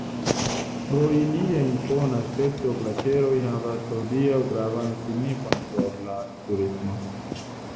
Pro ilia impona aspekto glaĉeroj havas hodiaŭ gravan signifon por la turismo.